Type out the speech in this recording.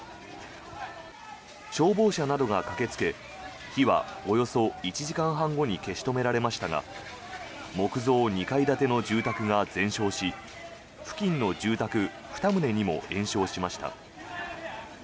消防車などが駆けつけ火はおよそ１時間半後に消し止められましたが木造２階建ての住宅が全焼し付近の住宅２棟にも延焼しました。